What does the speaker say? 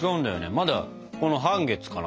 まだこの半月かな。